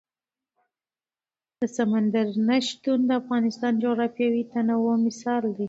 سمندر نه شتون د افغانستان د جغرافیوي تنوع مثال دی.